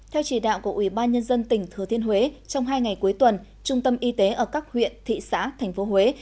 theo chỉ đạo của ủy ban nhân dân tỉnh thừa thiên huế trong hai ngày cuối tuần trung tâm y tế ở các huyện thị xã thành phố huế